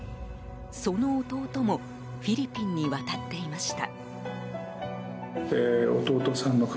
その弟もフィリピンに渡っていました。